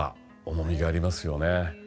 重みがありますよね。